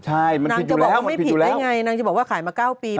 ใช่มันผิดอยู่แล้วนางจะบอกว่าไม่ผิดได้ไงนางจะบอกว่าขายมา๙ปี